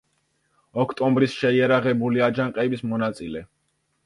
ოქტომბრის შეიარაღებული აჯანყების მონაწილე.